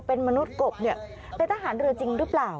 เป็นมนุษย์กบเป็นทหารเรือจริงหรือเปล่า